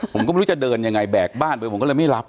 ผมก็ไม่รู้จะเดินยังไงแบกบ้านไปผมก็เลยไม่รับ